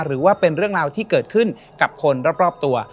หรือว่าเป็นเรื่องราวที่เกิดขึ้นกับคนรอบตัว